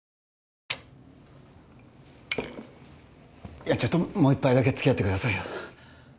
いやちょっともう一杯だけ付き合ってくださいよ